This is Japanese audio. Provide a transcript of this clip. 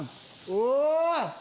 お！